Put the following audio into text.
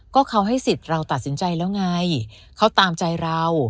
ก็เขาให้สิทธิ์เราตัดสินใจแล้วไงเขาตามใจเรา